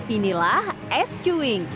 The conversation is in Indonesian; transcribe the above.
inilah es cuing